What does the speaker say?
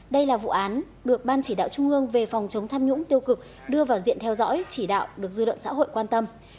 đây là vụ án được ban chỉ đạo trung ương về phòng chống tham nhũng tiêu cực đưa vào diện theo dõi chỉ đạo được dư luận xã hội quan tâm